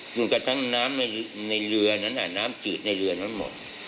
ถึงกระทั้งน้ำจืดในเรือนั้นหมด